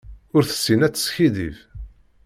Ur tessin ad teskiddeb.